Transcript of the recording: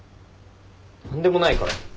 何でもないから。